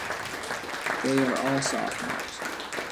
They are all 'sophomores.